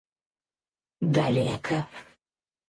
далеко